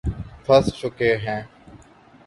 پس چکے ہیں